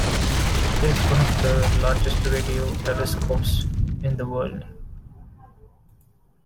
It is one of the largest radio telescopes in the world.